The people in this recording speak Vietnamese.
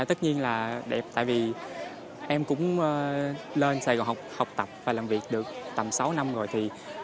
tất nhiên là đẹp tại vì em cũng lên sài gòn học tập và làm việc được tầm sáu năm rồi